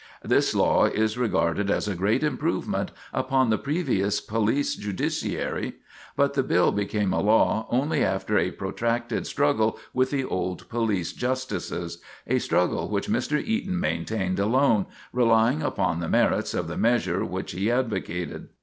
This law is regarded as a great improvement upon the previous police judiciary, but the bill became a law only after a protracted struggle with the old police justices, a struggle which Mr. Eaton maintained alone, relying upon the merits of the measure which he advocated.